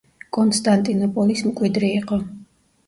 კონსტანტინოპოლის მკვიდრი იყო.